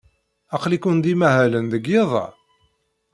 Aql-iken d imahalen deg yiḍ-a?